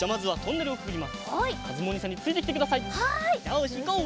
よしいこう。